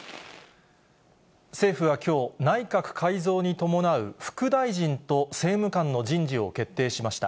政府はきょう、内閣改造に伴う副大臣と政務官の人事を決定しました。